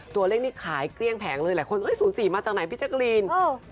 ตัวเลขนี้ขายเกลี้ยงแผงเลยหลายคน๐๔มาจากไหนพี่แจ๊กรีน